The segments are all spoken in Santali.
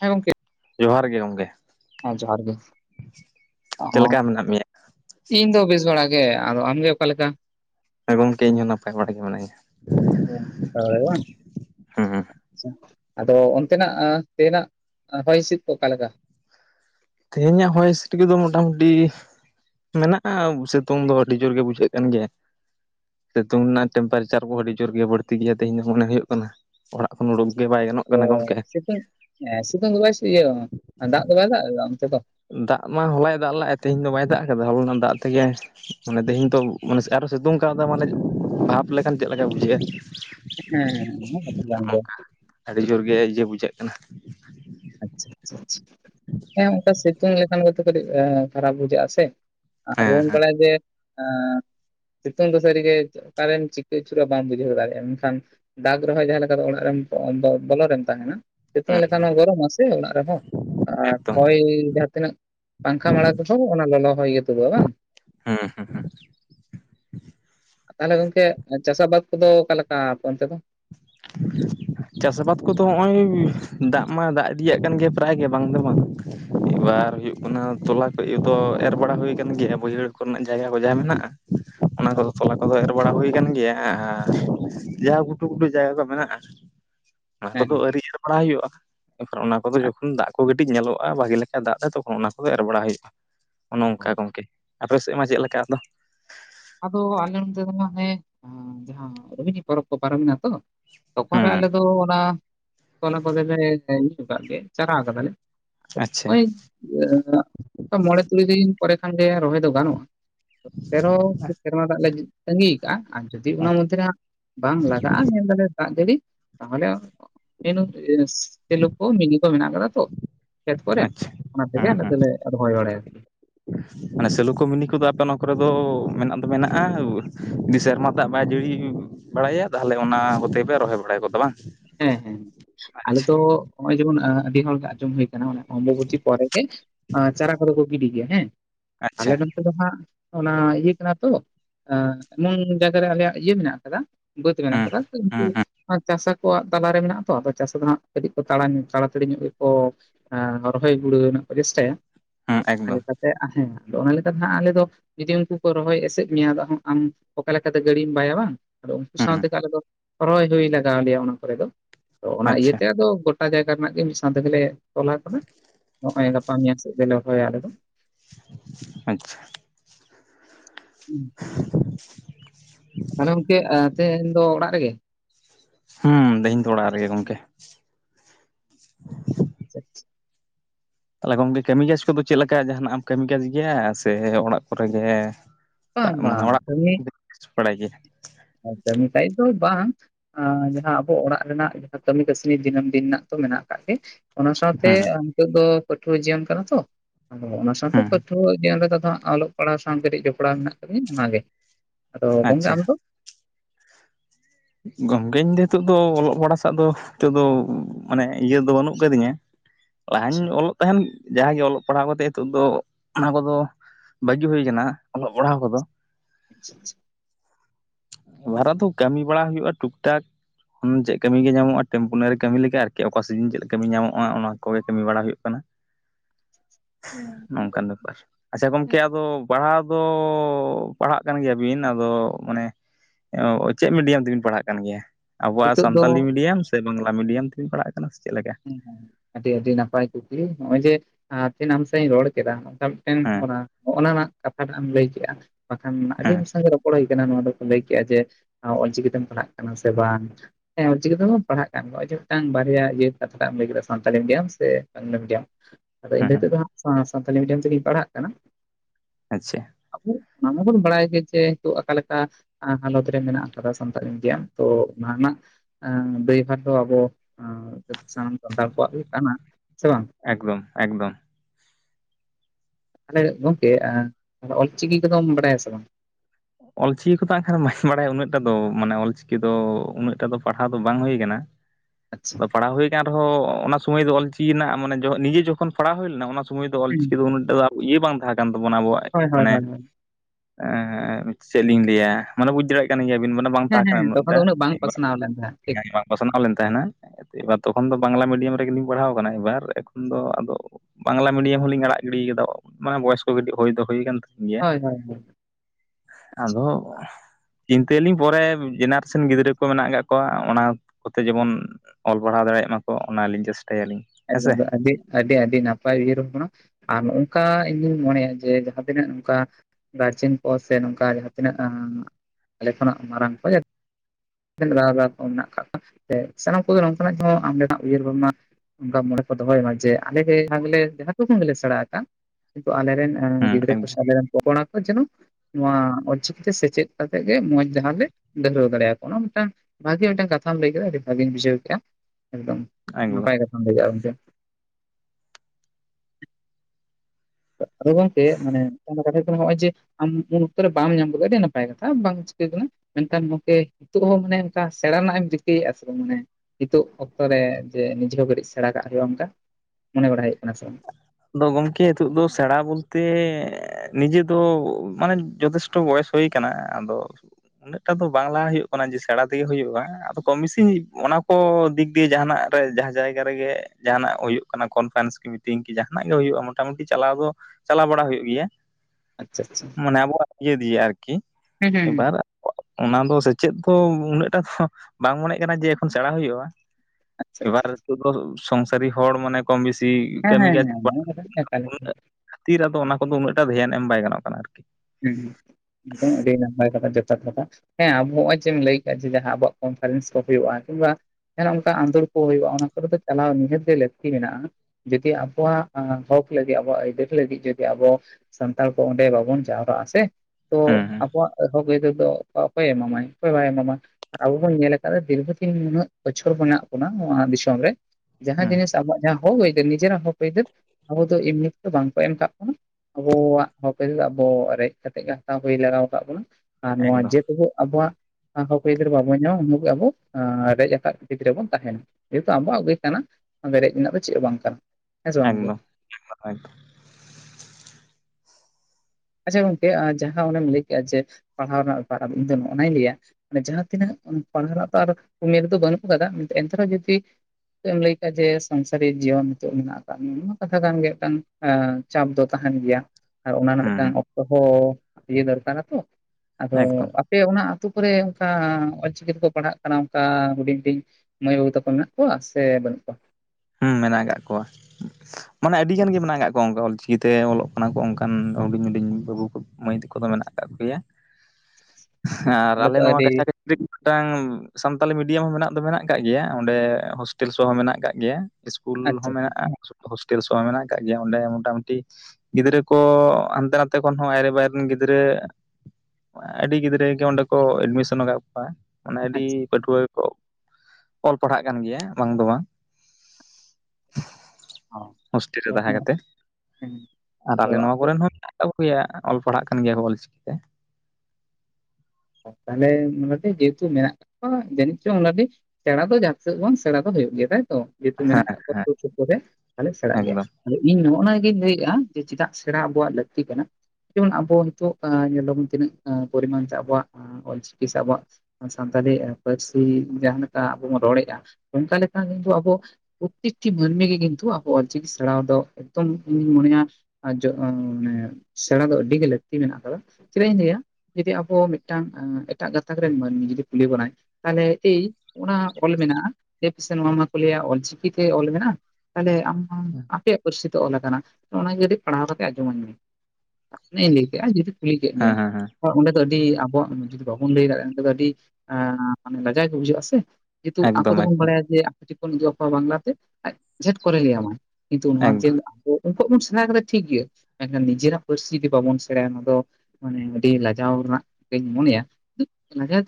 ᱦᱮ ᱜᱚᱢᱠᱮ ᱡᱚᱦᱟᱨ ᱜᱮ ᱜᱚᱢᱠᱮ ᱦᱮᱸ ᱡᱚᱦᱟᱨ ᱜᱮ ᱪᱮᱫ ᱚ ᱞᱮᱠᱟ ᱢᱮᱱᱟᱜ ᱢᱮᱭᱟ? ᱤᱧ ᱫᱚ ᱵᱮᱥ ᱵᱟᱲᱟ ᱜᱮ ᱟᱫᱚ ᱟᱢᱜᱮ ᱚᱠᱟᱞᱮᱠᱟ? ᱦᱮᱸ ᱜᱚᱝᱠᱮ ᱤᱧ ᱦᱚᱸᱸ ᱱᱟᱯᱟᱭ ᱵᱟᱲᱟ ᱜᱮ ᱢᱤᱱᱟᱧᱟ᱾ ᱵᱟᱝ ᱟᱪᱪᱷᱟ ᱟᱫᱚ ᱚᱱᱛᱮᱱᱟᱜ ᱛᱮᱱᱟᱜ ᱦᱚᱭ ᱦᱤᱸᱥᱤᱫ ᱚᱠᱟᱮᱠᱟ? ᱛᱮᱦᱮᱧᱟᱜ ᱦᱚᱭ ᱦᱤᱸᱥᱤᱫ ᱠᱚᱫᱚ ᱢᱚᱴᱟᱢᱩᱴᱤ ᱢᱮᱱᱟᱜᱼᱟ ᱥᱤᱛᱩᱝ ᱫᱚ ᱟᱹᱰᱤ ᱡᱳᱨ ᱜᱮ ᱵᱩᱡᱷᱟᱹᱜ ᱠᱟᱱ ᱜᱮᱭᱟ᱾ ᱥᱤᱛᱩᱝ ᱨᱮᱱᱟᱜ ᱴᱮᱢᱯᱟᱨᱮᱪᱟᱨ ᱠᱚ ᱟᱹᱰᱤ ᱡᱳᱨ ᱜᱮ ᱵᱟᱹᱲᱛᱤ ᱜᱮᱭᱟ ᱛᱮᱦᱤᱧ ᱫᱚ ᱢᱚᱱᱮ ᱦᱩᱭᱩᱜ ᱠᱟᱱᱟ ᱚᱲᱟᱜ ᱠᱷᱚᱱ ᱩᱰᱩᱠ ᱜᱮ ᱵᱟᱭ ᱜᱟᱱᱚᱜ ᱟᱫᱚ ᱠᱟᱱᱟ ᱜᱚᱢᱠᱮ᱾ ᱥᱤᱛᱩᱝ ᱥᱤᱛᱩᱝ ᱤᱭᱟᱹ ᱫᱟᱜ ᱫᱚ ᱵᱟᱭ ᱫᱟᱜ ᱫᱟ ᱚᱱᱛᱮ ᱫᱚ ᱫᱟᱜ ᱢᱟ ᱦᱚᱞᱟᱭ ᱫᱟᱜ ᱞᱟᱜᱟᱭ ᱛᱮᱦᱮᱧ ᱫᱚ ᱵᱟᱭ ᱫᱟᱜ ᱠᱟᱫᱟ ᱦᱚᱞᱟᱱ ᱫᱟᱜ ᱛᱮᱜᱮ ᱢᱟᱱᱮ ᱛᱮᱦᱮᱧ ᱫᱚ ᱢᱟᱱᱮ ᱟᱨᱚ [unintelligible] ᱠᱟᱣᱫᱟ ᱢᱟᱱᱮ ᱵᱷᱟᱵᱽ ᱞᱮᱠᱷᱟᱱ ᱪᱮᱫ ᱞᱮᱠᱟᱭ ᱵᱩᱡᱷᱟᱹᱜᱼᱟ᱾ ᱦᱮᱸ ᱩᱱᱟ [unintelligible] ᱡᱮ ᱵᱩᱡᱷᱟᱹᱜ ᱠᱟᱱᱟ ᱟᱪᱪᱷᱟ ᱟᱪᱪᱷᱟ ᱦᱮᱸ ᱚᱱᱠᱟ ᱥᱤᱛᱩᱝ ᱞᱮᱠᱷᱟᱱ ᱜᱮᱛᱚ ᱠᱟᱹᱴᱤᱡ ᱠᱷᱟᱨᱟᱯ ᱵᱩᱡᱷᱟᱹᱜᱼᱟ ᱥᱮ ᱟᱨ ᱦᱮᱸ ᱦᱮᱸ᱾ [unintelligible] ᱥᱤᱛᱩᱝ ᱫᱚ ᱥᱟᱹᱨᱤᱜᱮ ᱚᱠᱟᱨᱮ ᱪᱤᱠᱟᱹ ᱟᱪᱩᱨᱟ ᱵᱟᱢ ᱵᱩᱡᱷᱟᱹᱣ ᱫᱟᱲᱮᱭᱟᱜᱼᱟ ᱢᱮᱱᱠᱷᱟᱱ ᱫᱟᱜᱽ ᱨᱮᱦᱚᱭ ᱡᱟᱦᱟᱸ ᱞᱮᱠᱟ ᱚᱲᱟᱜ ᱨᱮ ᱵᱚᱞᱚ ᱨᱮᱢ ᱛᱟᱦᱮᱸᱱᱟ ᱥᱤᱛᱩᱝ ᱦᱩᱸ ᱞᱮᱠᱟᱱᱮᱭ ᱜᱚᱨᱚᱢᱟ ᱥᱮ ᱚᱲᱟᱜ ᱨᱮᱦᱚᱸ ᱟᱨ ᱮᱠᱫᱚᱢ ᱦᱚᱭ ᱡᱟᱦᱟᱸ ᱛᱤᱱᱟᱹᱜ ᱯᱟᱝᱠᱷᱟ ᱢᱟᱲᱟᱝ ᱨᱮᱦᱚᱸ ᱚᱱᱟ ᱞᱚᱞᱚ ᱦᱚᱭ ᱜᱮ ᱛᱚᱵᱮᱟ ᱵᱟᱝ ᱦᱮᱸ ᱦᱮᱸ ᱦᱮᱸ ᱛᱟᱦᱚᱞᱮ ᱜᱚᱝᱠᱮ ᱪᱟᱥ ᱟᱵᱟᱫ ᱠᱚᱫᱚ ᱚᱠᱟᱮᱠᱟ ᱚᱱᱛᱮ ᱫᱚ? [unintelligible] ᱪᱟᱥ ᱟᱵᱟᱫ ᱠᱚᱫᱚ ᱱᱚᱜᱼᱚᱭ ᱫᱟᱜ ᱢᱟ ᱫᱟᱜ ᱤᱫᱤᱭᱟᱜ ᱠᱟᱱ ᱜᱮ ᱯᱮᱨᱟᱭ ᱜᱮ ᱵᱟᱝ ᱫᱚ ᱵᱟᱝ ᱢᱤᱫᱵᱟᱨ ᱦᱩᱭᱩᱜ ᱠᱟᱱᱟ ᱛᱚᱞᱟ ᱠᱚ ᱫᱚ ᱮᱨ ᱵᱟᱲᱟ ᱦᱩᱭ ᱟᱠᱟᱱ ᱜᱮᱭᱟ ᱵᱟᱹᱭᱦᱟᱹᱲ ᱠᱚᱨᱮᱱᱟᱜ ᱡᱟᱭᱜᱟ ᱠᱚ ᱡᱟᱦᱟᱸᱟ ᱢᱮᱱᱟᱜᱼᱟ᱾ ᱚᱱᱟ ᱠᱚᱫᱚ ᱛᱚᱞᱟ ᱠᱚᱫᱚ ᱮᱨ ᱵᱟᱲᱟ ᱦᱩᱭ ᱟᱠᱟᱱ ᱜᱮᱭᱟ ᱟᱨ ᱡᱟᱦᱟ ᱜᱷᱩᱴᱩᱜᱷᱩᱴᱩ ᱡᱟᱭᱜᱟ ᱠᱚ ᱢᱮᱱᱟᱜᱼᱟ ᱚᱱᱟ ᱦᱮᱸ ᱠᱚᱫᱚ ᱟᱹᱨᱤ ᱥᱟᱯᱲᱟᱣ ᱦᱩᱭᱩᱜᱼᱟ ᱮᱱᱠᱷᱟᱱ ᱚᱱᱟ ᱠᱚᱫᱚ ᱦᱮᱸ ᱡᱚᱠᱷᱚᱱ ᱫᱟᱜ ᱠᱚ ᱜᱤ ᱠᱟᱹᱴᱤᱡ ᱧᱮᱞᱚᱜᱼᱟ ᱵᱷᱟᱜᱤ ᱞᱮᱠᱟ ᱫᱟᱜ ᱛᱮ ᱛᱚᱠᱷᱚᱱ ᱚᱱᱟ ᱠᱚᱫᱚ ᱮᱨ ᱵᱟᱲᱟ ᱦᱩᱭᱩᱜᱼᱟ ᱚᱱᱮ ᱱᱚᱝᱠᱟ ᱜᱚᱝᱠᱮ ᱟᱯᱮ ᱥᱮᱫ ᱢᱟ ᱪᱮᱫ ᱞᱮᱠᱟ ᱟᱫᱚ? ᱟᱫᱚ ᱟᱞᱮ ᱱᱚᱱᱛᱮ ᱫᱚ ᱦᱟᱱᱮ ᱡᱟᱦᱟᱸ ᱨᱢᱤᱱᱤ ᱯᱚᱨᱚᱵᱽ ᱠᱚ ᱯᱟᱨᱚᱢ ᱮᱱᱟᱜ ᱛᱚ ᱛᱚᱠᱷᱚᱱᱮ ᱦᱮᱸ ᱟᱞᱮ ᱫᱚ ᱚᱱᱟ ᱚᱱᱟ ᱠᱚᱫᱚ ᱫᱚ ᱧᱩ ᱠᱟᱜ ᱜᱮ ᱪᱟᱣ ᱠᱟᱫᱟᱞᱮ ᱟᱪᱪᱷᱟ ᱳᱭ ᱢᱚᱬᱮ ᱛᱩᱨᱩᱭ ᱫᱤᱱ ᱯᱚᱨᱮ ᱠᱷᱟᱱᱜᱮ ᱨᱚᱦᱚᱭ ᱫᱚ ᱜᱟᱱᱚᱜᱼᱟ᱾ ᱯᱮᱱ [inaudible] ᱥᱮᱨᱢᱟ ᱫᱟᱜ ᱞᱮ ᱛᱟᱹᱜᱤ ᱠᱟᱜᱼᱟ ᱟᱨ ᱡᱩᱫᱤ ᱚᱱᱟ ᱢᱚᱫᱽᱫᱷᱮ ᱨᱮ ᱵᱟᱝ ᱞᱟᱜᱟᱜᱼᱟ ᱧᱮᱞ ᱫᱟᱞᱮ ᱫᱟᱜ ᱡᱟᱹᱲᱤ ᱛᱟᱦᱚᱞᱮ ᱥᱮᱞᱩ ᱠᱚ ᱢᱤᱱᱤ ᱠᱚ ᱢᱮᱱᱟᱜ ᱠᱟᱫᱟ ᱛᱚ᱾ ᱠᱷᱮᱛ ᱠᱚᱨᱮ ᱟᱪᱪᱷᱟ ᱚᱱᱟ ᱛᱮᱜᱮ ᱦᱮᱸ ᱟᱞᱮ ᱦᱮᱸ ᱫᱚᱞᱮ ᱨᱚᱦᱚᱭ ᱵᱟᱲᱟᱭᱟ ᱟᱨᱠᱤ᱾ ᱢᱟᱱᱮ ᱥᱮᱞᱩ ᱠᱚ ᱢᱤᱱᱤ ᱠᱚᱫᱚ ᱟᱯᱮ ᱱᱚᱣᱟ ᱠᱚᱨᱮ ᱫᱚ ᱢᱮᱱᱟᱜ ᱢᱮᱱᱟᱜᱼᱟ ᱤ ᱥᱮᱨᱢᱟ ᱫᱟᱜ ᱵᱟᱭ ᱡᱟᱹᱲᱤ ᱵᱟᱲᱟᱭᱟ ᱛᱟᱦᱚᱞᱮ ᱚᱱᱟ ᱦᱚᱛᱮ ᱯᱮ ᱨᱚᱦᱚᱭ ᱵᱟᱲᱟᱭᱟ ᱠᱚᱫᱚ ᱵᱟᱝ? ᱦᱮᱸ ᱦᱮᱸ ᱟᱞᱮ ᱟᱪᱪᱷᱟ ᱫᱚ ᱱᱚᱭ ᱡᱮᱢᱚᱱ ᱟᱹᱰᱤ ᱦᱚᱲ ᱟᱸᱡᱚᱢ ᱦᱩᱭ ᱚᱢᱵᱚᱵᱚᱛᱤ ᱯᱚᱨᱮ ᱜᱮ ᱪᱟᱨᱟ ᱠᱚᱫᱚ ᱠᱚ ᱜᱤᱰᱤ ᱜᱮᱭᱟ ᱦᱮᱸ ᱟᱞᱮ ᱟᱪᱪᱷᱟ ᱱᱚᱛᱮ ᱫᱚ ᱦᱟᱸᱜ ᱚᱱᱟ ᱤᱭᱟᱹ ᱠᱟᱱᱟ ᱛᱚ ᱮᱢᱚᱱ ᱡᱟᱭᱜᱟᱨᱮ ᱟᱞᱮᱭᱟᱜ ᱤᱭᱟᱹ ᱢᱮᱱᱟᱜ ᱟᱠᱟᱫᱟ ᱵᱟᱹᱫᱽ ᱢᱮᱱᱟᱜ ᱦᱮᱸ ᱠᱟᱫᱟ ᱦᱮᱸ ᱪᱟᱥ ᱣᱟᱜ ᱛᱟᱞᱟᱮ ᱢᱮᱱᱟᱜᱟᱛᱚ ᱪᱟᱥᱟ ᱫᱚ ᱦᱟᱸᱜ ᱠᱟᱹᱴᱤᱡ ᱛᱟᱲ ᱛᱟᱲᱟ ᱛᱟᱲᱤ ᱧᱚᱜ ᱜᱮᱠᱚ ᱨᱚᱦᱚᱭ ᱜᱩᱲᱟᱹ ᱦᱩᱸ ᱮᱠᱫᱚᱢ [unintelligible] ᱛᱚ ᱦᱮᱸ ᱟᱫᱚ ᱚᱱᱟ ᱞᱮᱠᱟ ᱫᱚ ᱦᱟᱸᱜ ᱟᱞᱮ ᱫᱚ ᱡᱩᱫᱤ ᱩᱱᱠᱩ ᱠᱚ ᱨᱚᱦᱚᱭ ᱮᱥᱮᱫ ᱢᱮᱭᱟ ᱟᱫᱚ ᱦᱟᱸ ᱟᱢ ᱚᱠᱟ ᱞᱮᱠᱟᱛᱮ ᱜᱟᱹᱰᱤᱢ ᱵᱟᱭᱟ ᱵᱟᱝ ᱟᱫᱚ ᱩᱱᱠᱩ ᱦᱩᱸ ᱦᱩᱸ ᱥᱟᱶᱛᱮᱜᱮ ᱟᱞᱮ ᱫᱚ ᱦᱚᱨᱚᱭ ᱦᱩᱭ ᱞᱟᱜᱟᱣ ᱞᱮᱭᱟ ᱚᱱᱟ ᱠᱚᱨᱮ ᱫᱚ ᱟᱫᱚ ᱚᱱᱟ ᱟᱪᱪᱷᱟ ᱤᱭᱟᱹᱛᱮ ᱟᱫᱚ ᱜᱚᱴᱟ ᱡᱟᱭᱜᱟ ᱨᱮᱱᱟᱜ ᱜᱮ ᱢᱤᱫ ᱥᱟᱶ ᱛᱮᱜᱞᱮ ᱛᱚᱞᱟ ᱠᱟᱫᱟ ᱱᱚᱜ ᱚᱭ ᱜᱟᱯᱟ ᱢᱮᱭᱟᱝ ᱥᱮᱫ ᱜᱮᱞᱮ ᱨᱚᱦᱚᱭᱟ ᱟᱞᱮ ᱫᱚ ᱟᱪᱪᱷᱟ ᱦᱩᱸ ᱟᱞᱮ ᱜᱚᱢᱠᱮ ᱛᱮᱦᱮᱧ ᱫᱚ ᱚᱲᱟᱜ ᱨᱮᱜᱮ? ᱦᱩᱸ ᱛᱮᱦᱮᱧ ᱫᱚ ᱚᱲᱟᱜ ᱨᱮᱜᱮ ᱜᱚᱝᱠᱮ ᱟᱪᱪᱷᱟ, ᱛᱟᱦᱞᱮ ᱜᱚᱢᱠᱮ ᱠᱟᱹᱢᱤ ᱠᱟᱡᱽ ᱠᱚᱫᱚ ᱪᱮᱫ ᱞᱮᱠᱟ ᱡᱟᱦᱟᱱᱟᱜ ᱮᱢ ᱠᱟᱹᱢᱤ ᱠᱟᱡ ᱜᱮᱭᱟ ᱥᱮ ᱚᱲᱟᱜ ᱠᱚᱨᱮ ᱜᱮ᱾ ᱵᱟᱝ ᱢᱟᱱᱮ ᱵᱟᱝ ᱚᱲᱟᱜ ᱠᱚ ᱠᱟᱹᱢᱤ ᱵᱟᱲᱟᱭ ᱜᱮᱭᱟ ᱠᱟᱹᱢᱤ ᱛᱟᱭ ᱫᱚ ᱵᱟᱝ ᱡᱟᱦᱟᱸ ᱟᱵᱚ ᱚᱲᱟᱜ ᱨᱮᱱᱟᱜ ᱠᱟᱹᱢᱤ ᱠᱟᱹᱥᱱᱤ ᱫᱤᱱᱟᱹᱢ ᱫᱤᱱ ᱨᱮᱱᱟᱜ ᱛᱚ ᱢᱮᱱᱟᱜ ᱠᱟᱜ ᱜᱮ ᱚᱱᱟ ᱥᱟᱶᱛᱮ ᱦᱩᱸ ᱱᱤᱛᱚᱜ ᱫᱚ ᱯᱟᱹᱴᱷᱩᱣᱟᱹ ᱡᱤᱭᱚᱱ ᱠᱟᱱᱟ ᱛᱚ ᱟᱫᱚ ᱚᱱᱟ ᱥᱟᱶᱛᱮ ᱦᱩᱸ ᱯᱟᱹᱴᱷᱩᱣᱟᱹ ᱡᱤᱭᱚᱱ ᱨᱮᱫᱚ ᱚᱞᱚᱜ ᱯᱟᱲᱦᱟᱣ ᱥᱟᱶ ᱠᱟᱹᱴᱤᱡ ᱡᱚᱯᱲᱟᱣ ᱢᱮᱱᱟᱜ ᱫᱤᱧᱟ ᱚᱱᱟᱜᱮ ᱟᱫᱚ ᱜᱚᱝᱠᱮ ᱟᱪᱪᱷᱟ ᱟᱢ ᱫᱚ ᱜᱚᱝᱠᱮ ᱤᱧ ᱫᱚ ᱱᱤᱛᱚᱜ ᱫᱚ ᱚᱞᱚᱜ ᱯᱟᱲᱦᱟᱜ ᱥᱟᱜ ᱫᱚ ᱱᱤᱛᱚᱜ ᱫᱚ ᱢᱟᱱᱮ ᱤᱭᱟᱹ ᱫᱚ ᱵᱟᱹᱱᱩᱜ ᱟᱠᱟᱫᱤᱧᱟ ᱞᱟᱦᱟᱧ ᱟᱪᱪᱷᱟ ᱚᱞᱚᱜ ᱛᱟᱦᱮᱸᱱ ᱡᱟᱦᱟᱸᱜᱮ ᱚᱞᱚᱜ ᱯᱟᱲᱦᱟᱣ ᱠᱟᱛᱮᱫ ᱱᱤᱛᱚᱜ ᱫᱚ ᱚᱱᱟ ᱠᱚᱫᱚ ᱵᱷᱟᱹᱜᱤ ᱦᱩᱭ ᱠᱟᱱᱟ ᱚᱞᱚᱜ ᱯᱟᱲᱦᱟᱣ ᱠᱚᱫᱚ ᱟᱪᱷᱟ ᱟᱪᱷᱟ ᱵᱟᱨᱟ ᱫᱚ ᱠᱟᱹᱢᱤ ᱵᱟᱲᱟ ᱦᱩᱭᱩᱜᱼᱟ ᱴᱩᱠᱼ ᱴᱟᱠ ᱪᱮᱫ ᱠᱟᱹᱢᱤᱜ ᱜᱮ ᱧᱟᱢᱚᱜᱼᱟ ᱴᱮᱢᱯᱳᱱᱟᱨᱤ ᱠᱟᱹᱢᱤ ᱞᱮᱠᱟ ᱟᱨᱠᱤ ᱚᱠᱟ ᱥᱤᱡᱤᱱ ᱪᱮᱫ ᱠᱟᱹᱢᱤ ᱧᱟᱢᱚᱜᱼᱟ ᱚᱱᱟ ᱠᱚᱜᱮ ᱠᱟᱹᱢᱤ ᱵᱟᱲᱟ ᱦᱩᱭᱩᱜ ᱠᱟᱱᱟ ᱱᱚᱝᱠᱟᱱ ᱵᱮᱯᱟᱨ ᱟᱪᱷᱟ ᱜᱚᱝᱠᱮ ᱟᱫᱚ ᱯᱟᱲᱦᱟᱣ ᱫᱚ ᱯᱟᱲᱦᱟᱜ ᱠᱟᱱ ᱜᱮᱭᱟᱵᱤᱱ ᱟᱫᱚ ᱢᱟᱱᱮ ᱪᱮᱫ ᱢᱤᱰᱤᱭᱟᱢ ᱛᱮᱵᱤᱱ ᱯᱟᱲᱦᱟᱜ ᱠᱟᱱ ᱜᱮᱭᱟ ᱟᱵᱚᱣᱟᱜ ᱱᱤᱛᱚᱜ ᱫᱚ ᱥᱟᱱᱛᱟᱞᱤ ᱢᱤᱰᱤᱭᱟ. ᱢ ᱥᱮ ᱵᱟᱝᱞᱟ ᱢᱤᱰᱤᱭᱟᱢ ᱛᱮᱵᱮᱸ ᱯᱟᱲᱦᱟᱜᱼᱟ ᱦᱮᱸ ᱟᱹᱰᱤ ᱟᱹᱰᱤ ᱱᱟᱯᱟᱭ ᱠᱩᱠᱞᱤ ᱱᱚᱜᱼᱚᱭ ᱡᱮ ᱛᱮ ᱟᱢ ᱥᱟᱶ ᱤᱧ ᱨᱚᱲ ᱠᱮᱫᱟ ᱴᱮᱱ ᱦᱮᱸ ᱚᱱᱟ ᱨᱮᱱᱟᱜ ᱠᱟᱛᱷᱟ ᱴᱟᱜ ᱮᱢ ᱞᱟᱹᱭ ᱠᱮᱫ [inaudible] ᱵᱟᱠᱷᱟᱱ ᱟᱹᱰᱤ ᱦᱮᱸ ᱥᱟᱸᱜᱮ ᱨᱚᱯᱚᱲ ᱦᱩᱭ ᱠᱟᱱᱟ ᱱᱚᱣᱟ ᱫᱚᱠᱚ ᱞᱟᱹᱭ ᱠᱮᱜᱼᱟ ᱡᱮ ᱚᱞᱪᱤᱠᱤ ᱛᱮᱢ ᱯᱟᱲᱦᱟᱜ ᱠᱟᱱᱟ ᱥᱮ ᱵᱟᱝ ᱦᱮᱸ ᱚᱞ ᱪᱤᱠᱤ ᱛᱮᱵ ᱯᱟᱲᱦᱟᱜ ᱠᱟᱱᱟᱱᱜ ᱡᱮ ᱢᱤᱫ ᱴᱟᱝ ᱵᱟᱨᱭᱟ ᱤᱭᱟᱹᱛ ᱠᱟᱛᱷᱟ ᱴᱟᱜ ᱮᱢ ᱞᱟᱹᱭ ᱠᱮᱫᱟ ᱥᱟᱱᱛᱟᱞᱤ ᱢᱤᱰᱤᱭᱟ. ᱢ ᱥᱮ ᱵᱟᱝᱞᱟ ᱢᱤᱰᱤᱭᱟ. ᱢ ᱟᱫᱚ ᱦᱮᱸ ᱤᱧ ᱦᱮᱸ ᱫᱚ ᱥᱟᱱᱛᱟᱞᱤ ᱢᱤᱰᱤᱭᱟ. ᱢ ᱛᱮᱜᱤᱧ ᱯᱟᱲᱦᱟᱜ ᱠᱟᱱᱟ ᱟᱪᱷᱟ ᱟᱵᱚ ᱚᱱᱟ ᱢᱟᱵᱚᱱ ᱵᱟᱲᱟᱭ ᱜᱮ ᱡᱮ ᱱᱤᱛᱚᱜ ᱚᱠᱟᱞᱮᱠᱟ ᱦᱟᱞᱚᱛ ᱨᱮ ᱢᱮᱱᱟᱜ ᱟᱠᱟᱫᱟ ᱥᱟᱱᱛᱟᱲᱤ ᱢᱤᱰᱤᱭᱟ. ᱢ ᱛᱚ ᱚᱱᱟ ᱨᱮᱱᱟᱜ ᱮᱧ ᱫᱟᱹᱭ ᱵᱟᱨ ᱫᱚ ᱟᱵᱚ ᱥᱟᱱᱟᱢ ᱥᱟᱱᱛᱟᱲ ᱠᱚᱣᱟᱜ ᱜᱮ ᱠᱟᱱᱟ ᱥᱮ ᱵᱟᱝ ᱮᱠᱫᱚᱢ ᱮᱠᱫᱚᱢ ᱛᱟᱞᱮ ᱜᱚᱢᱠᱮ ᱚᱞ ᱪᱤᱠᱤ ᱠᱚᱫᱚᱢ ᱵᱟᱲᱟᱭᱟ ᱥᱮ ᱵᱟᱝ ᱚᱞ ᱪᱤᱠᱤ ᱠᱚᱫᱚ ᱮᱱᱠᱷᱟᱱ ᱵᱟᱹᱧ ᱵᱟᱲᱟᱭᱟ ᱩᱱᱟᱹᱜ ᱴᱟ ᱫᱚ ᱢᱟᱱᱮ ᱚᱞ ᱪᱤᱠᱤ ᱫᱚ ᱩᱱᱟᱹᱜ ᱴᱟ ᱫᱚ ᱯᱟᱲᱦᱟᱣ ᱫᱚ ᱵᱟᱝ ᱦᱩᱭ ᱠᱟᱱᱟ ᱟᱪᱪᱷᱟ ᱯᱟᱲᱦᱟᱣ ᱦᱩᱭ ᱠᱟᱱ ᱨᱮᱦᱚᱸ ᱚᱱᱟ ᱥᱚᱢᱚᱭ ᱫᱚ ᱚᱞ ᱪᱤᱠᱤ ᱨᱮᱱᱟᱜ ᱢᱟᱱᱮ ᱱᱤᱡᱮ ᱡᱚᱠᱷᱚᱱ ᱯᱟᱲᱦᱟᱣ ᱦᱩᱭ ᱞᱮᱱᱟ ᱚᱱᱟ ᱥᱚᱢᱚᱭ ᱫᱚ ᱚᱞ ᱦᱩᱸ ᱪᱤᱠᱤ ᱫᱚ ᱩᱱᱟᱹᱜ ᱴᱟ ᱫᱚ ᱤᱭᱟᱹ ᱵᱟᱝ ᱛᱟᱦᱮᱸ ᱠᱟᱱ ᱛᱟᱵᱚᱱᱟ ᱟᱵᱚᱣᱟᱜ ᱦᱳᱭ ᱦᱳᱭ ᱢᱟᱱᱮ ᱦᱳᱭ ᱦᱳᱭ ᱪᱮᱫ ᱞᱤᱧ ᱞᱟᱹᱭᱟ ᱢᱟᱱᱮ ᱵᱩᱡᱽ ᱫᱟᱲᱭᱟᱜ ᱠᱟᱱ ᱜᱮᱭᱟ ᱢᱮᱱᱮ ᱵᱟᱝ ᱦᱮᱸ ᱛᱟᱦᱮᱸ ᱦᱮᱸ ᱠᱟᱱᱟ ᱩᱱᱟᱹᱜ ᱛᱚᱠᱷᱚᱱ ᱴᱟ ᱫᱚ ᱵᱟᱝ ᱯᱟᱥᱱᱟᱣ ᱞᱮᱱ ᱛᱟᱦᱮᱸᱫ ᱴᱷᱤᱠ ᱯᱟᱥᱱᱟᱣ ᱞᱮᱱ ᱛᱟᱦᱮᱸᱱᱟ ᱮ ᱛᱚᱠᱷᱚᱱ ᱫᱚ ᱵᱟᱝᱞᱟ ᱢᱤᱰᱤᱭᱟ. ᱢ ᱨᱮᱜᱮᱞᱤᱧ ᱯᱟᱲᱦᱟᱣ ᱟᱠᱟᱱᱟ ᱮᱵᱟᱨ ᱮᱠᱷᱟᱱ ᱫᱚ ᱟᱫᱚ ᱵᱟᱝᱞᱟ ᱢᱤᱰᱤᱭᱟ. ᱢ ᱦᱚᱸᱞᱤᱧ ᱟᱲᱟᱜ ᱜᱤᱰᱤ ᱠᱟᱫᱟ ᱵᱚᱭᱚᱥ ᱠᱚ ᱠᱟᱹᱴᱤᱡ ᱦᱚᱭ ᱫᱚ ᱦᱩᱭ ᱟᱠᱟᱱ ᱛᱟ ᱦᱳᱭ ᱦᱳᱭ ᱟᱫᱚ ᱪᱤᱱᱛᱟᱹᱞᱤᱧ ᱯᱚᱨᱮ ᱡᱮᱱᱟᱨᱮᱥᱚᱱ ᱜᱤᱫᱽᱨᱟᱹ ᱠᱚ ᱢᱮᱱᱟᱜ ᱟᱠᱟᱫ ᱠᱚᱣᱟ ᱚᱱᱟ ᱠᱚᱛᱮ ᱡᱮᱢᱚᱱ ᱚᱞ ᱯᱟᱲᱦᱟᱣ ᱫᱟᱲᱮᱭᱟᱜᱼᱟ ᱚᱱᱟᱞᱤᱧ ᱪᱮᱥᱴᱟ ᱮᱠᱫᱚᱢ ᱫᱚ ᱟᱹᱰᱤ ᱟᱹᱰᱤ ᱟᱹᱰᱤ ᱱᱟᱯᱟᱭ ᱩᱭᱦᱟᱹᱨᱵᱚᱱᱟ ᱟᱨ ᱱᱚᱝᱠᱟ ᱤᱧ ᱫᱩᱧ ᱢᱚᱱᱮᱭᱟ ᱡᱮᱟᱸ ᱛᱤᱱᱟᱹᱜ ᱱᱚᱝᱠᱟ ᱜᱟᱨᱡᱮᱱ ᱠᱚ ᱥᱮ ᱱᱚᱝᱠᱟ ᱡᱟᱦᱟᱸ ᱛᱤᱱᱟᱹᱜ ᱟᱞᱮ ᱠᱷᱚᱱᱟᱜ ᱢᱟᱨᱟᱝ ᱠᱚᱡᱟ ᱠᱚ ᱢᱮᱱᱟᱜ ᱠᱟᱜ ᱠᱚᱣᱟ ᱥᱟᱱᱟᱢ ᱠᱚᱜ ᱱᱚᱝᱠᱟᱱᱟᱜ ᱦᱚᱸ ᱟᱢ ᱞᱮᱠᱟᱱᱟᱜ ᱩᱭᱦᱟᱹᱨ ᱵᱷᱟᱱᱟ ᱚᱸᱠᱟ ᱢᱚᱱᱮ ᱠᱚ ᱫᱚᱦᱚᱭ ᱢᱟ ᱡᱮ ᱟᱞᱮᱜᱞᱮ ᱡᱟᱦᱟᱸ ᱠᱚ ᱠᱷᱚᱱ ᱜᱮᱞᱮ ᱥᱮᱬᱟ ᱟᱠᱟᱫ-ᱟ ᱠᱤᱱᱛᱩ ᱟᱞᱮ ᱨᱮᱱ ᱦᱮᱸ ᱜᱤᱫᱽᱨᱟᱹ ᱠᱚ ᱮᱠᱫᱚᱢ ᱥᱮ ᱟᱞᱮᱨᱮ ᱨᱮᱱ ᱯᱚᱯᱲᱟ ᱠᱚ ᱡᱮᱱᱚ ᱱᱚᱣᱟ ᱚᱞ ᱪᱤᱠᱤ ᱛᱮ ᱥᱮᱪᱮᱫ ᱠᱟᱛᱮᱜ ᱜᱮ ᱢᱚᱡᱽ ᱡᱟᱦᱟᱸᱟᱦ ᱞᱮ ᱰᱷᱟ. ᱦᱟᱹᱣ ᱫᱟᱲᱮᱭᱟᱠᱚᱣᱟ ᱚᱱᱟ ᱢᱤᱫᱴᱟᱝ ᱵᱷᱟᱜᱤ ᱢᱤᱫᱴᱟᱝ ᱠᱟᱛᱷᱟᱢ ᱞᱟᱹᱭ ᱠᱮᱫᱟ ᱟᱹᱰᱤ ᱵᱷᱟᱹᱜᱤᱧ ᱵᱩᱡᱷᱟᱹᱣ ᱠᱮᱫᱼᱟ ᱮᱠᱫᱚᱢ ᱮᱠᱫᱚᱢ ᱱᱟᱯᱟᱭ ᱠᱟᱛᱷᱟᱢ ᱞᱟᱹᱭᱮ-ᱟ ᱜᱚᱝᱠᱮ ᱟᱫᱚ ᱜᱚᱝᱠᱮ ᱢᱟᱱᱮ ᱠᱟᱛᱷᱟ ᱠᱟᱱᱟ ᱱᱚᱜᱼᱚᱭ ᱡᱮ ᱟᱢ ᱩᱱ ᱚᱠᱛᱚ ᱨᱮ ᱵᱟᱢ ᱧᱟᱢ ᱞᱮᱜ ᱟᱹᱰᱤ ᱱᱟᱯᱟᱭ ᱠᱟᱛᱷᱟ ᱵᱟᱝ ᱢᱮᱱᱠᱷᱟᱱ ᱱᱚᱝᱠᱮ ᱱᱤᱛᱚᱜ ᱦᱚᱸ ᱢᱟᱱᱮ ᱚᱱᱠᱟ ᱥᱮᱬᱟ ᱨᱮᱱᱟᱜ ᱮᱢ ᱨᱤᱠᱟᱹᱭᱮᱫᱼᱟ ᱥᱮ ᱢᱟᱱᱮ ᱱᱤᱛᱚᱜ ᱚᱠᱛᱚ ᱨᱮ ᱮ ᱱᱤᱡᱮ ᱦᱚᱸ ᱵᱟᱹᱲᱤᱡ ᱥᱮᱬᱟ ᱠᱟᱜ ᱦᱩᱭᱩᱜᱼᱟ ᱚᱱᱠᱟ ᱢᱚᱱᱮ ᱵᱟᱲᱟ ᱦᱩᱭᱩᱜ ᱠᱟᱱᱟ ᱥᱮ ᱵᱟᱝ? ᱟᱫᱚ ᱜᱚᱢᱠᱮ ᱱᱤᱛᱚᱜ ᱫᱚ ᱥᱮᱬᱟ ᱵᱚᱞᱛᱮ ᱱᱤᱡᱮ ᱫᱚ ᱢᱟᱱᱮ ᱡᱚᱛᱷᱮᱥᱴᱚ ᱵᱚᱭᱚᱥ ᱦᱳ ᱠᱟᱱᱟ ᱟᱫᱚ ᱩᱱᱟᱹᱜᱴᱟ ᱫᱚ ᱵᱟᱝᱞᱟ ᱦᱩᱭᱩᱜ ᱠᱟᱱᱟ ᱡᱮ ᱥᱮᱬᱟ ᱛᱮᱜᱮ ᱦᱩᱭᱩᱜ ᱠᱟᱱᱟ ᱟᱫᱚ ᱠᱚᱢ ᱵᱤᱥᱤ ᱚᱱᱟ ᱠᱚ ᱫᱤᱠ ᱫᱤᱭᱮ ᱡᱟᱦᱟᱱᱟᱜ ᱨᱮ ᱡᱟᱦᱟᱸ ᱡᱟᱭᱜᱟ ᱨᱮᱜᱮ ᱡᱟᱦᱟᱱᱟᱜ ᱦᱩᱭᱩᱜ ᱠᱟᱱᱟ ᱠᱚᱱᱯᱷᱟᱨᱮᱱᱥ ᱠᱤ ᱢᱤᱴᱤᱝ ᱠᱤ ᱡᱟᱦᱟᱸ ᱱᱟᱜ ᱜᱮ ᱦᱩᱭᱩᱜᱼᱟ ᱢᱚᱴᱟᱢᱩᱴᱤ ᱪᱟᱞᱟᱣ ᱫᱚ ᱪᱟᱞᱟᱣ ᱵᱟᱲᱟ ᱦᱩᱭᱩᱜ ᱜᱮᱭᱟ ᱟᱪᱪᱷᱟ ᱟᱪᱪᱷᱟ ᱢᱟᱱᱮ ᱟᱵᱚ ᱤᱭᱟᱹ ᱫᱮ ᱟᱨᱠᱤ ᱟᱨᱠᱤ ᱦᱮᱸ ᱦᱮᱸ ᱦᱮᱸ ᱮᱵᱟᱨ ᱚᱱᱟ ᱫᱚ ᱥᱮᱪᱮᱫ ᱫᱚ ᱩᱱᱟᱹᱜ ᱮᱴᱟ ᱫᱚ ᱵᱟᱝ ᱢᱚᱱᱮᱮᱜ ᱠᱟᱱᱟ ᱡᱮ ᱮᱠᱷᱚᱱ ᱥᱮᱬᱟ ᱦᱩᱭᱩᱜᱼᱟ ᱟᱪᱪᱷᱟ ᱟᱪᱪᱷᱟ ᱮᱵᱟᱨ ᱫᱚ ᱥᱚᱝᱥᱟᱨᱤ ᱦᱚᱲ ᱢᱟᱱᱮ ᱠᱚᱢ ᱵᱮᱥᱤ ᱠᱟᱹᱢᱤ [unintelligible] ᱩᱱᱟᱹᱜᱴᱟ ᱫᱷᱮᱭᱟᱱ ᱮᱢ ᱵᱟᱭ ᱜᱟᱱᱚᱜ ᱠᱟᱱᱟ ᱟᱨᱠᱤ ᱦᱮᱸ ᱟᱹᱰᱤ ᱱᱟᱯᱟᱭ ᱠᱟᱛᱷᱟ ᱡᱚᱛᱷᱟᱛ ᱠᱟᱛᱷᱟ ᱦᱮᱸ ᱟᱵᱚ ᱱᱚᱜᱼᱚᱭ ᱡᱮ ᱮᱢ ᱞᱟᱹᱭ ᱠᱟ ᱡᱮ ᱡᱟᱦᱟᱸ ᱟᱵᱚᱣᱟᱜ ᱠᱚᱱᱯᱷᱟᱨᱮᱱᱥ ᱠᱚ ᱦᱩᱭᱩᱜᱼᱟ ᱵᱟ ᱚᱱᱠᱟ ᱟᱸᱫᱳᱲ ᱠᱚ ᱦᱩᱭᱩᱜᱼᱟ ᱚᱱᱟ ᱠᱚᱨᱮ ᱫᱚ ᱪᱟᱞᱟᱣ ᱱᱤᱦᱟᱹᱛ ᱜᱮ ᱞᱟᱹᱠᱛᱤ ᱢᱮᱱᱟᱜᱼᱟ ᱡᱩᱫᱤ ᱟᱵᱚᱣᱟᱜ ᱞᱟᱹᱜᱤᱫ ᱟᱵᱚᱣᱟᱜ ᱟᱹᱭᱫᱟᱹᱨ ᱞᱟᱹᱜᱤᱫ ᱡᱩᱫᱤ ᱟᱵᱚ ᱥᱟᱱᱛᱟᱲ ᱠᱚ ᱚᱸᱰᱮ ᱵᱟᱵᱚᱱ ᱡᱟᱣ ᱥᱮ ᱛᱚ ᱦᱩᱸ ᱦᱩᱸ ᱟᱵᱚᱣᱟᱜ ᱦᱚᱠ ᱟᱹᱭᱫᱟᱹᱨ ᱫᱚ ᱚᱠᱚᱭᱮ ᱮᱢᱟᱢᱟ ᱚᱠᱚᱭ ᱵᱟᱭ ᱮᱢᱟᱢᱟ ᱟᱨ ᱟᱵᱚ ᱵᱚᱱ ᱧᱮᱞ ᱟᱠᱟᱫᱟ ᱫᱤᱨᱜᱷ ᱫᱤᱱ ᱱᱩᱱᱟᱹᱜ ᱵᱚᱪᱷᱚᱨ ᱢᱮᱱᱟᱜ ᱵᱚᱱᱟ ᱫᱤᱥᱚᱢ ᱨᱮ ᱡᱟᱦᱟᱸ ᱦᱩᱸ ᱡᱤᱱᱤᱥ ᱟᱵᱚᱣᱟᱜ ᱡᱟᱦᱟᱸ [unintelligible] ᱱᱤᱡᱮᱨᱟᱜ ᱦᱚᱠ ᱟᱹᱤᱫᱟᱹᱨ ᱟᱵᱚ ᱫᱚ ᱮᱢᱱᱤ ᱫᱚ ᱵᱟᱝ ᱠᱚ ᱮᱢ ᱠᱟᱜ ᱵᱚᱱᱟ ᱟᱵᱚᱣᱟᱜ ᱦᱚᱯᱤᱫᱟᱹᱨ ᱟᱵᱚ ᱨᱮᱡᱽ ᱠᱟᱛᱮ ᱜᱮ ᱦᱟᱛᱟᱣ ᱦᱩᱭ ᱞᱮᱟᱜᱟᱣ ᱟᱠᱟᱫ ᱵᱚᱱᱟ ᱟᱨ ᱱᱚᱣᱟ ᱮᱠᱫᱚᱢ [unintelligible] ᱟᱵᱚᱣᱟᱜ ᱦᱚᱠ ᱟᱹᱭᱫᱟᱨ ᱵᱟᱵᱚᱱ ᱧᱟᱢᱟ ᱩᱱᱠᱩ ᱜᱮ ᱟᱵᱚ ᱨᱮᱡ ᱟᱠᱟᱫ ᱜᱤᱫᱽᱨᱟᱹ ᱵᱚᱱ ᱛᱟᱦᱮᱱᱟ ᱡᱮᱦᱮᱛᱩ ᱟᱵᱚᱣᱟᱜ ᱜᱮ ᱠᱟᱱᱟ ᱠᱟᱱᱟ ᱨᱮᱡ ᱨᱮᱱᱟᱜ ᱫᱚ ᱪᱮᱫ ᱦᱚᱸ ᱵᱟᱝ ᱠᱟᱱᱟ᱾ ᱦᱮᱸ ᱥᱮ ᱵᱟᱝ ᱜᱚᱝᱠᱮ ᱮᱠᱫᱚᱢᱫᱚᱢ ᱮᱠᱫᱚᱢ ᱟᱪᱪᱷᱟ ᱜᱚᱝᱠᱮ ᱟᱨ ᱡᱟᱦᱟᱸ ᱚᱱᱮᱢ ᱞᱟᱹᱭ ᱠᱮᱫᱮᱜᱼᱟ ᱡᱮ ᱯᱟᱲᱦᱟᱣ ᱨᱮᱱᱟᱜ ᱵᱮᱯᱟᱨ ᱟᱧ ᱫᱚ ᱱᱚᱜᱱᱟᱭ ᱞᱟᱹᱭᱟᱟᱱᱮ ᱡᱟᱦᱟᱸ ᱛᱤᱱᱟᱹᱜ ᱯᱟᱲᱦᱟᱜ ᱨᱮᱱᱟᱜ ᱛᱚ ᱟᱨ ᱩᱢᱮᱨ ᱫᱚ ᱵᱟᱹᱱᱩᱜ ᱠᱟᱫᱟ ᱮᱱᱛᱮᱦᱚᱸ ᱡᱩᱚᱫᱤ ᱮᱢ ᱞᱟᱹᱭ ᱠᱟ ᱡᱮ ᱥᱚᱝᱥᱟᱨᱤ ᱡᱤᱭᱚᱱ ᱱᱤᱛᱚᱜ ᱢᱮᱱᱟᱜ ᱟᱠᱟᱫ ᱱᱚᱣᱟ ᱠᱟᱛᱷᱟ ᱠᱟᱱ ᱜᱮᱭᱟ ᱢᱤᱫᱴᱟᱝ ᱪᱟᱯ ᱫᱚ ᱛᱟᱦᱮᱸ ᱠᱟᱱ ᱜᱮᱭᱟ ᱟᱨ ᱚᱱᱟ ᱨᱮᱱᱟᱜ ᱦᱩᱸ ᱢᱤᱫᱴᱟᱝ ᱦᱩᱸ ᱚᱠᱛᱚ ᱦᱚᱸ ᱤᱭᱟᱹ ᱫᱚᱨᱠᱟᱨ ᱛᱚ ᱟᱫᱚ ᱮᱠᱫᱚᱢ ᱟᱯᱮ ᱚᱱᱟ ᱟᱛᱳ ᱠᱚᱨᱮ ᱚᱱᱠᱟ ᱚᱞᱪᱤᱠᱤ ᱛᱮᱠᱚ ᱯᱟᱲᱦᱟᱜ ᱠᱟᱱᱟ ᱚᱱᱠᱟ ᱦᱩᱰᱤᱧ ᱦᱩᱰᱤᱧ ᱢᱟᱹᱭ ᱵᱟᱹᱵᱩ ᱛᱟᱠᱚ ᱢᱮᱱᱟᱜ ᱠᱚᱣᱟ ᱥᱮ ᱵᱟᱹᱱᱩᱜ ᱠᱚᱣᱟ ᱦᱮᱸ ᱢᱮᱱᱟᱜ ᱟᱠᱟᱫ ᱠᱚᱣᱟ ᱢᱟᱱᱮ ᱟᱹᱰᱤ ᱜᱟᱱ ᱜᱮ ᱢᱮᱱᱟᱜ ᱟᱠᱟᱫ ᱠᱚᱣᱟ ᱚᱱᱠᱟ ᱚᱞᱪᱤᱠᱤ ᱪᱤᱠᱤ ᱛᱮ ᱚᱞᱚᱜ ᱠᱟᱱᱟ ᱠᱚ ᱚᱱᱠᱟᱱ ᱦᱩᱰᱤᱧ ᱦᱩᱰᱤᱧ ᱵᱟᱹᱵᱩ ᱠᱚ ᱢᱟᱹᱭ ᱛᱟᱠᱚ ᱫᱚ ᱢᱮᱱᱟᱜ ᱟᱠᱟᱫ ᱠᱚ ᱜᱮᱭᱟ [inaudible] ᱦᱮᱸ ᱟᱨ ᱛᱚ ᱟᱞᱮ ᱱᱚᱣᱟ ᱟᱹᱰᱤ ᱠᱟᱪᱷᱟ ᱠᱟᱪᱷᱤ ᱨᱮ ᱢᱤᱫᱴᱟᱝ ᱥᱟᱱᱛᱟᱞᱤ ᱢᱤᱰᱤᱭᱟᱢ ᱦᱚᱸ ᱢᱮᱱᱟᱜ ᱫᱚ ᱢᱮᱱᱟᱜ ᱟᱠᱟᱫ ᱜᱮᱭᱟ ᱚᱸᱰᱮ ᱦᱳᱥᱴᱮᱞ ᱥᱦ ᱢᱮᱱᱟᱜ ᱟᱠᱟᱫ ᱜᱮᱭᱟ᱾ ᱤᱥᱠᱩᱞ ᱦᱚᱸ ᱟᱪᱪᱷᱟ ᱢᱮᱱᱟᱜᱼᱟ᱾ ᱦᱳᱥᱴᱮᱞ ᱥᱚ ᱢᱮᱱᱟᱜ ᱟᱠᱟᱫ ᱜᱮᱭᱟ ᱚᱸᱰᱮ ᱢᱳᱚᱴᱟᱢᱩᱴᱤ ᱜᱤᱫᱽᱨᱟᱹ ᱠᱚ ᱦᱟᱱᱛᱮ ᱱᱟᱛᱮ ᱠᱷᱚᱱ ᱦᱚᱸ ᱟᱭᱨᱮ ᱵᱟᱭᱨᱮ ᱨᱮᱱ ᱜᱤᱫᱽ ᱜᱤᱫᱽᱨᱟᱹ ᱟᱹᱰᱤ ᱜᱤᱫᱽᱨᱟᱹ ᱜᱮ ᱚᱸᱰᱮ ᱠᱚ ᱮᱰᱢᱤᱥᱚᱱ ᱟᱠᱟᱫ ᱠᱚᱣᱟ᱾ ᱢᱟᱱᱮ ᱟᱹᱰᱤ ᱟᱪᱪᱷᱟ ᱯᱟᱹᱴᱷᱩᱣᱟᱹ ᱠᱚ ᱚᱞ ᱯᱟᱲᱦᱟᱜ ᱠᱟᱱ ᱜᱮᱭᱟ ᱵᱟᱝ ᱫᱚ ᱵᱟᱝ [inaudible] ᱦᱳᱥᱴᱮᱞ ᱨᱮ ᱚ ᱛᱟᱦᱮᱸ ᱦᱮᱸ ᱠᱟᱛᱮ ᱦᱮᱸ ᱟᱨ ᱟᱫᱚ ᱟᱞᱮ ᱱᱚᱣᱟ ᱟᱯᱮ ᱠᱚᱨᱮᱱ ᱦᱚᱸ ᱢᱮᱱᱟᱜ ᱛᱟ ᱭᱟᱜ ᱚᱞ ᱯᱟᱲᱦᱟᱜ ᱠᱟᱱ ᱜᱮᱭᱟ ᱠᱚ ᱚᱞ ᱪᱤᱠᱤ ᱛᱮ ᱛᱟᱦᱞᱮ ᱚᱱᱟ ᱡᱮᱦᱮᱛᱩ ᱢᱮᱱᱟᱜᱣᱟ ᱡᱟᱹᱱᱤᱥ ᱪᱚᱝ ᱚᱱᱟ ᱥᱮᱬᱟ ᱫᱚ ᱡᱟᱦᱟᱸ ᱥᱮᱫ ᱵᱟᱝ ᱥᱮᱬᱟ ᱫᱚ ᱦᱩᱭᱩᱜ ᱜᱮᱭᱟ ᱛᱟᱭᱛᱚ ᱡᱮᱦᱮ ᱢᱮᱱᱟᱜ ᱠᱟᱜ ᱠᱚᱣᱟ ᱦᱮᱸ ᱥᱩᱨ ᱥᱩᱯᱩᱨ ᱨᱮ ᱛᱟᱦᱞᱮ ᱥᱮᱬᱟᱜ ᱜᱮᱭᱟ ᱮᱠᱫᱚᱢ ᱟᱫᱚ ᱤᱧ ᱱᱚᱜᱼ ᱱᱟᱜᱤᱧ ᱞᱟᱹᱭᱮᱫᱼᱟ ᱡᱮ ᱪᱮᱫᱟᱜ ᱥᱮᱬᱟ ᱟᱵᱚᱣᱟᱜ ᱞᱟᱹᱠᱛᱤ ᱠᱟᱱᱟ ᱡᱮᱢᱚᱱ ᱟᱵᱚ ᱱᱤᱛᱚᱜ ᱧᱮᱞᱵᱚᱱ ᱛᱤᱱᱟᱹᱜ ᱯᱚᱨᱤᱢᱟᱱ ᱛᱮ ᱟᱵᱚᱣᱟᱜ ᱚᱞ ᱪᱤᱠᱤ ᱥᱮ ᱟᱵᱚᱣᱟᱜ ᱥᱟᱱᱛᱟᱞᱤ ᱯᱟᱹᱨᱥᱤ ᱡᱟᱦᱟᱸ ᱞᱮᱠᱟ ᱟᱵᱚ ᱵᱚᱱ ᱨᱚᱲᱮᱫᱼᱟ ᱚᱱᱠᱟ ᱞᱮᱠᱟ ᱠᱤᱱᱛᱩ ᱟᱵᱚ ᱯᱨᱚᱛᱛᱮᱠᱴᱤ ᱢᱟᱹᱱᱢᱤ ᱜᱮ ᱠᱤᱱᱛᱩ ᱟᱵᱚ ᱚᱞᱪᱤᱠᱤ ᱥᱮᱬᱟ ᱫᱚ ᱮᱠᱫᱚᱢ ᱤᱧᱤᱧ ᱢᱚᱱᱮᱭᱟ ᱟᱨ ᱢᱟᱱᱮ ᱥᱮᱬᱟ ᱫᱚ ᱟᱹᱰᱤᱜᱮ ᱞᱟᱹᱠᱛᱤ ᱢᱮᱱᱟᱜ ᱠᱟᱫᱟ ᱪᱮᱫᱟᱜ ᱤᱧ ᱞᱟᱹᱭᱟ ᱡᱩᱫᱤ ᱟᱵᱚ ᱢᱤᱫᱴᱟᱝ ᱮᱴᱟᱜ ᱜᱟᱛᱟᱠ ᱨᱮᱱ ᱢᱟᱹᱱᱢᱤ ᱡᱩᱫᱤ ᱠᱩᱞᱤ ᱵᱚᱱᱟᱭ ᱛᱟᱦᱚᱞᱮ ᱮ ᱚᱱᱟ ᱚᱞ ᱢᱮᱱᱟᱜᱼᱟ ᱢᱟᱠᱚ ᱞᱟᱹᱭᱟ ᱚᱞ ᱪᱤᱠᱤ ᱛᱮ ᱚᱞ ᱢᱮ ᱛᱟᱦᱚᱞᱮ ᱟᱢ ᱟᱯᱮᱭᱟᱜ ᱯᱟᱹᱨᱥᱤ ᱚᱞ ᱟᱠᱟᱱᱟ ᱚᱱᱟᱜᱮ ᱠᱟᱹᱴᱤᱡ ᱯᱟᱲᱦᱟᱣ ᱠᱟᱛᱮ ᱟᱸᱡᱚᱢᱟᱹᱧ ᱢᱮ ᱤᱧ ᱞᱟᱹᱭ ᱠᱮᱫᱼᱟ ᱡᱩᱫᱤ ᱠᱩᱞᱤ ᱠᱮᱫ ᱦᱮᱸ ᱢᱮᱭᱟᱭ ᱦᱮᱸ ᱦᱮᱸ ᱦᱚᱭ ᱚᱸᱰᱮ ᱫᱚ ᱟᱹᱰᱤ ᱟᱵᱚᱣᱟᱜ [inaudible] ᱡᱩᱫᱤ ᱵᱟᱵᱚᱱ ᱞᱟᱹᱭ ᱫᱟᱲᱮᱭᱟᱜᱼᱟ ᱮ [inaudible] ᱫᱚ ᱟᱹᱰᱤ ᱞᱟᱡᱟ ᱜᱮ ᱵᱩᱡᱷᱟᱹᱜ ᱟ ᱥᱮ ᱡᱮᱦᱮᱛᱩ ᱟᱠᱚ ᱮᱠᱫᱚᱢ ᱫᱚᱵᱚᱱ ᱮᱠᱫᱚᱢ ᱵᱟᱲᱟᱭᱟ ᱡᱮ ᱟᱠᱚ ᱴᱷ [inaudible] ᱵᱟᱝᱞᱟᱛᱮ ᱡᱷᱮᱴ ᱠᱚᱨᱮ ᱞᱟᱹᱭᱭᱟᱢᱟᱭ ᱤ ᱛ [inaudible] ᱮᱠᱫᱚᱢ ᱩᱱᱠᱩᱣᱟᱜ ᱵᱚᱱ ᱥᱮᱬᱟ ᱠᱟᱫᱟ ᱴᱷᱤᱠ ᱜᱮᱭᱟ ᱢᱮᱱᱠᱷᱟᱱ ᱱᱤᱡᱮᱨᱟᱜ ᱯᱟᱹᱨᱥᱤ ᱡᱩᱚᱫᱤ ᱵᱟᱵᱚᱱ ᱥᱮᱬᱟᱭᱟ ᱚᱱᱟ ᱫᱚ ᱢᱟᱱᱮ ᱟᱹᱰᱤ ᱞᱟᱡᱟᱣ ᱨᱮᱱᱟᱜ ᱧ [unintelligible] ᱢᱚᱱᱮᱭᱟᱟ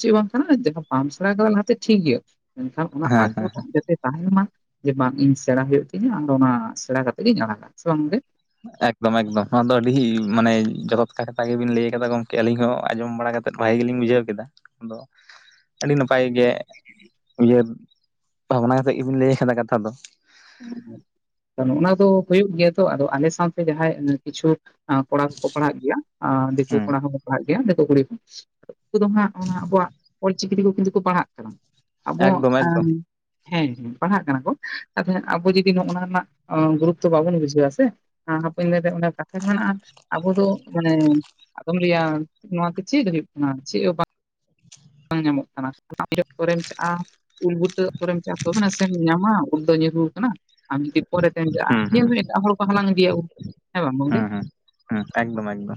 ᱪᱮᱫ ᱵᱟᱝ ᱠᱟᱱᱟ ᱵᱟᱢ ᱥᱮᱬᱟ ᱠᱮᱫᱫᱟ ᱞᱟᱦᱟᱛᱮ ᱴᱷᱤᱠ ᱜᱮᱭᱟ ᱢᱮᱱᱠᱷᱟᱱ ᱚᱱᱟ ᱦᱮᱸ ᱟᱜᱨᱚᱦᱚ ᱴᱟᱜ ᱡᱟᱛᱮ ᱛᱟᱦᱮᱱ ᱢᱟ᱾ ᱡᱮ ᱵᱟᱝ ᱤᱧ ᱥᱮᱬᱟ ᱦᱩᱭᱩᱜ ᱛᱤᱧᱟᱹ ᱟᱫᱚ ᱚᱱᱟ ᱥᱮᱬᱟ ᱠᱟᱛᱮ ᱜᱤᱧ ᱟᱲᱟᱜᱟ ᱥᱮ ᱵᱟᱝ ᱜᱚᱢᱠᱮ [inaudible] ᱮᱠᱫᱚᱢ ᱮᱠᱫᱚᱢ ᱱᱚᱣᱟ ᱫᱚ ᱟᱹᱰᱤ ᱢᱟᱱᱮ ᱡᱚᱛᱚ [unintelligible] ᱠᱟᱛᱷᱟ ᱜᱮᱵᱤᱱ ᱞᱟᱹᱭ ᱠᱟᱫᱟ ᱜᱚᱢᱠᱮ ᱟᱹᱞᱤᱧ ᱦᱚᱸ ᱟᱸᱚᱢ ᱵᱟᱲᱟ ᱠᱟᱛᱮᱫ ᱵᱷᱟᱜᱮ ᱜᱮᱞᱤᱧ ᱵᱩᱡᱷᱟᱹᱣ ᱠᱮᱫᱟ ᱟᱫᱚ ᱟᱹᱰᱤ ᱱᱟᱯᱟᱭ ᱜᱮ ᱩᱦᱟᱹᱨ ᱵᱷᱟᱵᱽᱱᱟ ᱠᱟᱛᱮᱫ ᱜᱮᱵᱤᱱ ᱞᱟᱹᱭ ᱟᱠᱟᱫᱟ ᱠᱟᱛᱷᱟ ᱫᱚ ᱚᱸ [unintelligible] ᱱᱚ ᱚᱱᱟ ᱫᱚ ᱦᱩᱭᱩᱜ ᱜᱮᱭᱟ ᱛᱚ ᱟᱫᱚ ᱟᱞᱮ ᱥᱟᱶᱛᱮ ᱡᱟᱦᱟᱸᱭ ᱠᱤᱪᱷᱩ ᱠᱚᱲᱟ ᱠᱚᱠᱚ ᱯᱟᱲᱦᱟᱜ ᱜᱮᱭᱟ ᱫᱤᱠᱩ ᱦᱮᱸ ᱠᱚᱲᱟ ᱦᱚᱸᱠᱚ ᱯᱟᱲᱦᱟᱜ ᱜᱮᱭᱟ ᱭᱟ [unintelligible] ᱫᱤᱠᱩ ᱠᱩᱲᱤ ᱠᱚ ᱩᱱᱠᱩ ᱫᱚ ᱦᱟᱸᱜ ᱚᱱᱟ ᱟᱵᱚᱣᱟᱜ ᱚᱞ ᱪᱤᱠᱤ ᱠᱚ ᱠᱤᱱᱛᱩ ᱠᱚ ᱯᱟᱲᱦᱟᱜ ᱠᱟᱱᱟ᱾ ᱟᱵᱚ ᱮᱠᱫᱚᱢ ᱮᱠᱫᱚᱢ [unintelligible] ᱦᱮᱸ ᱦᱮᱸ ᱯᱟᱲᱦᱟᱜ ᱠᱟᱱᱟ ᱠᱚ᱾ ᱛᱚᱞᱮ [unintelligible] ᱟᱵᱚ ᱡᱚᱫᱫᱤ ᱱᱚ ᱚᱱᱟᱡ ᱨᱮᱱᱟᱜ ᱜᱩᱨᱩᱛᱚ ᱵᱟᱵᱚᱱ ᱵᱩᱡᱷᱟᱹᱣᱟ ᱥᱮ ᱦᱟᱯᱚᱧ ᱫᱤᱱᱨᱮ ᱚᱱᱟᱚᱱ ᱠᱟᱛᱷᱟ ᱜᱮ ᱢᱮᱱᱟᱜᱼᱟ᱾ ᱟᱵᱚ ᱫᱚ ᱢᱟᱱᱮ ᱟᱫᱚᱢ ᱨᱮᱭᱟᱜ ᱱᱚᱣᱟᱛᱮ ᱪᱮᱫ ᱦᱩᱭᱩᱜ ᱠᱟᱱᱟ ᱪᱮᱫ ᱦᱚᱸ ᱵᱟᱝ [unintelligible] [unintelligible] ᱱᱤᱭᱟᱹᱩ ᱟᱠᱟᱱᱟ ᱟᱢ ᱡᱩᱫᱤ ᱯᱚᱨᱮᱛᱮᱢ ᱪᱟᱜᱼᱟ ᱦᱩᱸ ᱱᱤᱭᱟᱹ [unintelligible] ᱦᱩᱸ ᱦᱚᱸ ᱮᱴᱟᱜ ᱦᱚᱲ ᱠᱚ ᱦᱟᱞᱟᱝ ᱤᱫᱤᱭᱟ ᱠᱚ ᱦᱮ ᱢᱫᱞ ᱦᱩᱸ ᱦᱩᱸ ᱦᱩᱸ ᱮᱠᱫᱚᱢ ᱮᱠᱫᱚᱢ ᱮᱠᱫᱚᱢ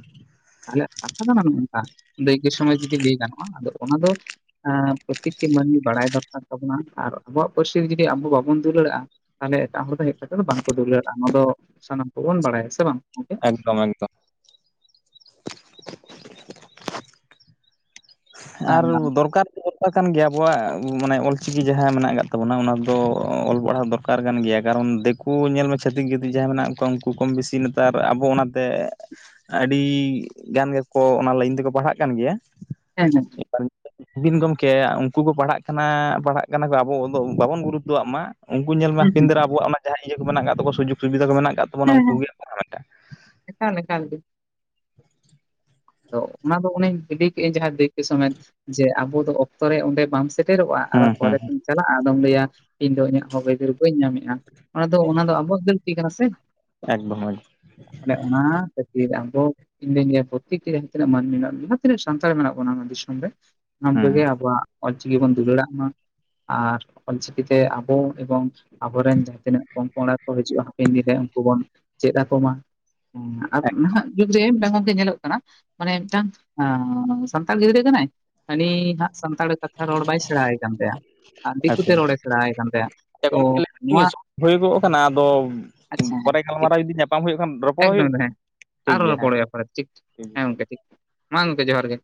[unintelligible] ᱫᱟᱹᱭᱠᱟᱹ ᱥᱚᱢᱚᱭ ᱡᱩᱫᱤ ᱞᱟᱹᱭ ᱜᱟᱱᱚᱜᱼᱟ ᱟᱫᱚ ᱚᱱᱟ ᱫᱚ ᱯᱨᱚᱛᱤᱠᱴᱤ ᱢᱟᱹᱱᱢᱤ ᱵᱟᱲᱟᱭ ᱫᱚᱨᱠᱟᱨ ᱛᱟᱵᱚᱱᱟ ᱟᱨ ᱟᱵᱚᱣᱟᱜ ᱯᱟᱹᱨᱥᱤ ᱡᱩᱫᱤ ᱟᱵᱚ ᱵᱟᱵᱚᱱ ᱫᱩᱞ ᱫᱩᱞ [unintelligible] ᱛᱟᱦᱚᱞᱮ ᱮᱴᱟᱜ ᱦᱚᱲ ᱫᱚ ᱦᱮᱡ ᱠᱟᱛᱮ ᱫᱚ ᱵᱟᱝᱠᱚ ᱫᱩᱞᱟᱹᱲᱟᱜᱼᱟ ᱚᱱᱟ ᱫᱚ ᱥᱟᱱᱟᱢ ᱠᱚᱵᱚᱱ ᱵᱟᱲᱟᱭᱟ ᱥᱮ ᱵᱟᱝ ᱜᱚᱝᱠᱮ ᱮᱠᱫᱚᱢ ᱮᱠᱫᱚᱢ ᱟᱨ ᱟᱸ ᱫᱚᱨᱠᱟᱨ ᱠᱟᱱ ᱜᱮᱭᱟ ᱟᱵᱚᱣᱟᱜ ᱢᱟᱱᱮ ᱚᱞ ᱪᱤᱠᱤ ᱡᱟᱦᱟᱸ ᱢᱮᱱᱟᱜ ᱟᱠᱟᱫ ᱛᱟᱵᱚᱱᱟ ᱚᱱᱟᱫᱚ ᱚᱞ ᱯᱟᱲᱦᱟᱣ ᱫᱚᱨᱠᱟᱨ ᱠᱟᱱ ᱜᱮᱭᱟ ᱠᱟᱨᱚᱱ ᱫᱤᱠᱩ ᱧᱮᱞ ᱢᱮ ᱪᱷᱟᱹᱛᱤᱠ ᱡᱟᱛᱤ ᱡᱟᱦᱟᱸᱭ ᱢᱮᱱᱟᱜ ᱠᱚᱣᱟ ᱩᱱᱠᱩ ᱠᱚᱢ ᱵᱮᱥᱤ ᱱᱮᱛᱟᱨ ᱟᱵᱚ ᱚᱱᱟᱛᱮ ᱟᱹᱰᱤ ᱜᱟᱱ ᱜᱮᱠᱚ ᱚᱱᱟ ᱞᱟᱭᱤᱱ ᱛᱮᱠᱚ ᱯᱟᱲᱦᱟᱜ ᱠᱟᱱ ᱜᱮᱭᱟ ᱦᱮᱸ ᱦᱮᱸ ᱟᱹᱵᱤᱱ ᱜᱚᱢᱠᱮ ᱩᱱᱠᱩ ᱠᱚ ᱯᱟᱲᱦᱟᱜ ᱠᱟᱱᱟ ᱯᱟᱲᱦᱟᱜ ᱠᱟᱱᱟ ᱠᱚ ᱟᱵᱚ ᱫᱚ ᱵᱟᱵᱚᱱ ᱜᱩᱨᱩᱛᱛᱚᱣᱟᱜ ᱢᱟ ᱩᱱᱠᱩ ᱧᱮᱞ ᱢᱮ ᱦᱟᱟᱹᱠᱤᱱ [unintelligible] ᱨᱮ ᱟᱵᱚᱣᱟᱜ ᱚᱱᱟ ᱡᱟᱦᱟᱸ ᱤᱭᱟᱹ ᱠᱚ ᱢᱮᱱᱟᱜ ᱛᱟᱠᱚᱣᱟ ᱥᱩᱡᱳᱜ ᱥᱩᱵᱤᱫᱷᱟ ᱠᱚ ᱢᱮᱱᱟᱜ ᱟᱠᱟᱫᱟ [inaudible] ᱠᱟᱜ ᱛᱟᱵᱚᱱᱟ ᱦᱮᱸ ᱩᱱᱠᱩ ᱦᱮᱸ ᱜ [unintelligible] ᱮᱠᱟᱞ ᱚ ᱚᱱᱟ ᱫᱚ ᱚᱱ ᱤᱞᱤ ᱠᱮᱫᱟᱹᱧ ᱡᱟᱦᱟᱸ ᱫᱟᱹᱭᱠᱤ ᱥᱚᱢᱮᱛ ᱡᱮ ᱟᱵᱚ ᱫᱚ ᱚᱠᱛᱚ ᱨᱮ ᱚᱸᱰᱮ ᱵᱟᱢ ᱥᱮᱱ [unintelligible] ᱥᱮᱴᱮᱨᱚᱜᱼᱟ ᱟᱨ ᱦᱩᱸ ᱦᱩᱸ ᱯᱚᱨᱮ ᱛᱮᱢ ᱪᱟᱞᱟᱜᱼᱟ ᱟᱫᱚᱢ ᱞᱟᱹᱭᱟ ᱤᱧ ᱫᱚ ᱤᱧᱟᱹᱜ ᱦᱚᱸᱠ ᱟᱹᱭᱫᱟᱹᱨ ᱵᱟᱹᱧ ᱧᱟᱢᱮᱫᱼᱟ᱾ ᱚᱱᱟ ᱫᱚ ᱚᱱᱟ ᱫᱚ ᱟᱵᱚᱣᱟᱜ ᱜᱟᱹᱞᱛᱤ ᱠᱟᱱᱟ ᱥᱮ᱾ ᱮᱠᱫᱚᱢ ᱮᱠᱫᱚᱢ ᱛᱟᱦᱮ ᱚᱱᱟ ᱠᱷᱟᱹᱛᱤᱨ ᱟᱵᱚ ᱤᱧ [inaudible] ᱮ [inaudible] ᱡᱟᱦᱟᱸ ᱛᱤᱱᱟᱹᱜ ᱢᱟᱹᱱᱢᱤ ᱢᱮᱱᱟᱜ ᱵ [unintelligible] ᱡᱟᱦᱟᱸ ᱛᱤᱱᱟᱹᱜ ᱥᱟᱱᱛᱟᱲ ᱢᱮᱱᱟᱜ ᱵᱚᱱᱟ ᱚᱱᱟ ᱫᱤᱥᱚᱢ ᱨᱮ ᱦᱩᱸ [unintelligible] ᱟᱵᱣᱟᱜ ᱚᱞᱪᱤᱠᱤ ᱵᱚᱱ ᱫᱩᱞᱟᱹᱲᱟᱟᱜ ᱢᱟ᱾ ᱟᱨ ᱚᱞ ᱪᱤᱠᱤᱛᱮ ᱟᱵᱚ ᱮᱵᱚᱝ ᱟᱵᱚᱨᱮᱱ ᱡᱟᱦᱟᱸ ᱛᱤᱱᱟᱹᱜ ᱯᱚᱝᱯᱚᱝᱲᱟ ᱠᱚ ᱦᱤᱡᱩᱜᱼᱟ ᱦᱟᱯᱮᱱ ᱫᱤᱱ ᱨᱮ ᱩᱱᱠᱩ ᱵᱚᱱ ᱪᱮᱫ ᱟᱠᱚᱚᱢᱟ ᱟᱨ ᱱᱟᱦᱟᱜ ᱡᱩᱜᱽ ᱨᱮ ᱢᱤᱫᱴᱟᱝ ᱜᱚᱢᱠᱮ ᱧᱮᱞᱚᱜ ᱠᱟᱱᱟ ᱢᱟᱱᱮ ᱢᱤᱫᱴᱟᱝ ᱥᱟᱱᱛᱟᱲ ᱜᱤᱫᱽᱨᱟᱹ ᱠᱟᱱᱟᱭ ᱦᱟᱱᱤ ᱦᱟᱸᱜ ᱥᱟᱱᱛᱟᱲ ᱠᱟᱛᱷᱟ ᱨᱚᱲ ᱵᱟᱭ ᱥᱮᱬᱟᱭᱟᱭ ᱠᱟᱱ ᱛᱟᱭᱟ᱾ ᱟᱨ ᱟᱪᱪᱷᱟ ᱫᱤᱠᱩᱛᱮ ᱨᱚᱲᱮ ᱥᱮᱬᱟᱭᱟᱭ ᱠᱟᱱ ᱛᱟᱭᱫ ᱦᱮᱸ ᱛᱚ ᱜᱚᱢᱠᱮ ᱞᱟᱹᱭᱫᱟᱞᱤᱧ ᱱᱚᱣᱟ ᱟᱪᱪᱷᱟ [unintelligible] ᱦᱮᱸ ᱴᱷᱤᱠ ᱜᱟᱞᱟᱨᱟᱣ ᱡᱩᱫᱤ ᱧᱟᱯᱟᱢ ᱦᱩᱭᱩᱜᱼᱟ [unintelligible] ᱮᱠᱫᱚᱢ ᱫᱚ ᱦᱮᱸ ᱟᱨᱚ ᱨᱚᱯᱚᱲ ᱦᱚᱭᱚᱜ ᱯᱚᱨᱮ ᱛᱮ ᱴᱷᱤᱠ ᱦᱮᱸ ᱜᱚᱝᱠᱮ ᱴᱷᱤᱠ ᱢᱟ ᱜᱚᱢᱠᱮ ᱡᱚᱦᱟᱨ ᱜᱮ